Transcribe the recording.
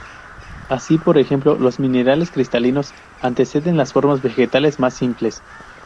Así por ejemplo, los minerales cristalinos anteceden las formas vegetales más simples.